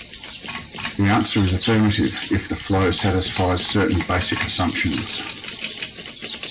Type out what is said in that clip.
The answer is affirmative, if the flow satisfies certain basic assumptions.